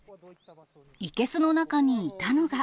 生けすの中にいたのが。